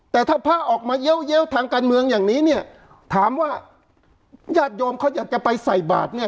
แต่ถ้าพระออกมาเยอะทางการเมืองอย่างนี้เนี่ยถามว่าญาติโยมเขาอยากจะไปใส่บาทเนี่ย